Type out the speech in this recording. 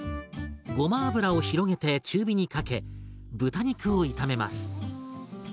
ごま油を広げて中火にかけ豚肉を炒めます。